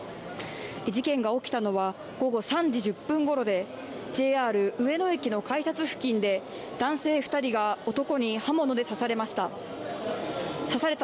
事件が起きたのは午後３時１０分ごろでＪＲ上野駅の改札付近で男性２人が男に刃物で刺されました。